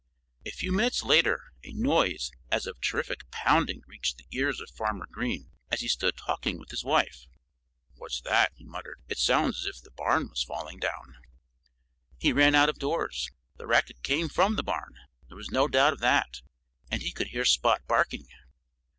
A few minutes later a noise as of terrific pounding reached the ears of Farmer Green as he stood talking with his wife. "What's that?" he muttered. "It sounds as if the barn was falling down." He ran out of doors. The racket came from the barn. There was no doubt of that. And he could hear Spot barking.